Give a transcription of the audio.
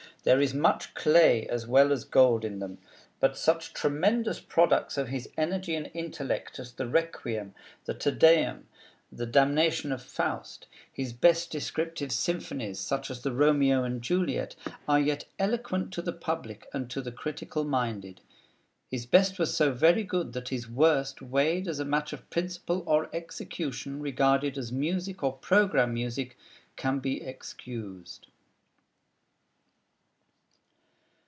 There is much clay as well as gold in them. But such tremendous products of his energy and intellect as the 'Requiem,' the 'Te Deum,' 'The Damnation of Faust,' his best descriptive symphonies such as the 'Romeo and Juliet,' are yet eloquent to the public and to the critical minded. His best was so very good that his worst weighed as a matter of principle or execution, regarded as music or "programme music" can be excused.